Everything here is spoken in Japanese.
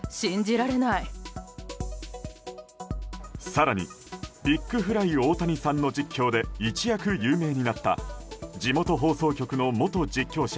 更にビッグフライ、オオタニサン！の実況で一躍有名になった、地元放送局の元実況者